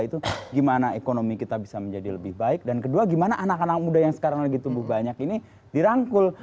itu gimana ekonomi kita bisa menjadi lebih baik dan kedua gimana anak anak muda yang sekarang lagi tumbuh banyak ini dirangkul